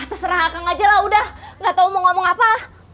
terserah kang aja lah udah nggak tahu mau ngomong apa